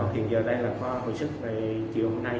hiện giờ đây là kho hồi sức về chiều hôm nay